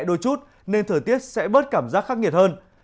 đôi chút nên thời tiết sẽ bớt cảm giác khắc nghiệt hơn